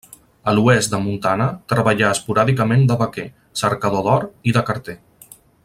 A l'oest de Montana treballà esporàdicament de vaquer, cercador d'or i de carter.